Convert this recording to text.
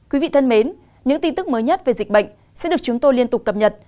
quý vị thân mến những tin tức mới nhất về dịch bệnh sẽ được chúng tôi liên tục cập nhật